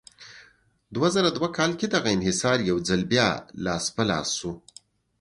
دوه زره دوه کال کې دغه انحصار یو ځل بیا لاس په لاس شو.